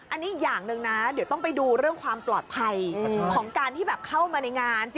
อันนี้อีกอย่างหนึ่งนะเดี๋ยวต้องไปดูเรื่องความปลอดภัยของการที่แบบเข้ามาในงาน